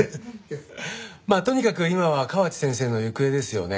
まあとにかく今は河内先生の行方ですよね。